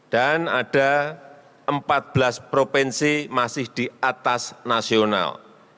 dan ada empat belas provinsi masih di atas nasional